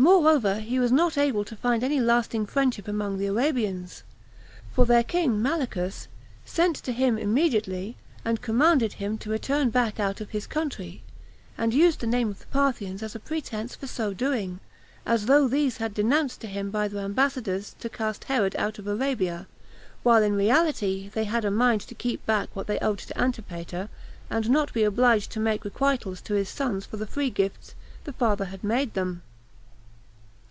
Moreover, he was not able to find any lasting friendship among the Arabians; for their king, Malichus, sent to him immediately, and commanded him to return back out of his country, and used the name of the Parthians as a pretense for so doing, as though these had denounced to him by their ambassadors to cast Herod out of Arabia; while in reality they had a mind to keep back what they owed to Antipater, and not be obliged to make requitals to his sons for the free gifts the father had made them.